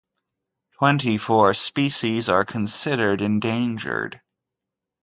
Twenty-four species are considered endangered.